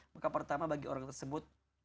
maka pertama bagi orang tersebut